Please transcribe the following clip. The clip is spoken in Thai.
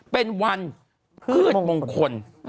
เป็นวันพืชมงคล